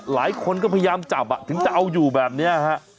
หลายคนก็พยายามจับถึงจะเอาอยู่แบบนี้ฮะ